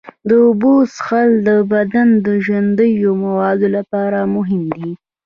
د اوبو څښل د بدن د ژوندیو موادو لپاره مهم دي.